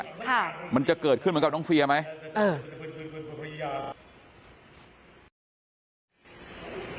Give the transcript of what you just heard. ค่ะมันจะเกิดขึ้นเหมือนกับน้องเฟียไหมเออ